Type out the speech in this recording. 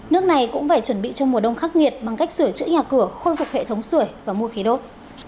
nước này cũng phải chuẩn bị cho mùa đông khắc nghiệt bằng cách sửa chữa nhà cửa khôi phục hệ thống sửa và mua khí đốt